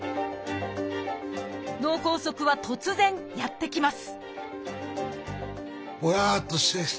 脳梗塞は突然やって来ます